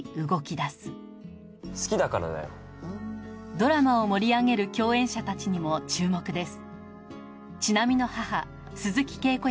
ドラマを盛り上げる共演者たちにも注目です。